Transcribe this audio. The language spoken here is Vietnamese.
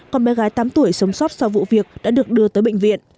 còn bé gái tám tuổi sống sót sau vụ việc đã được đưa tới bệnh viện